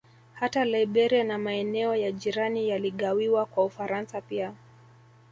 Hata Liberia na maeneo ya jirani yaligawiwa kwa Ufaransa pia